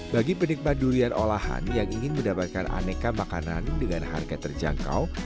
bagi penikmat durian olahan yang ingin mendapatkan aneka makanan dengan harga terjangkau